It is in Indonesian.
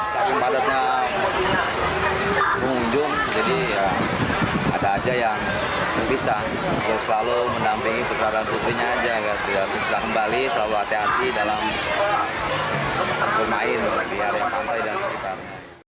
sekarang putrinya saja tidak terpisah kembali selalu hati hati dalam bermain di area pantai dan sekitarnya